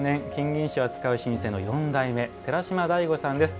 銀糸を扱う老舗の四代目、寺島大悟さんです。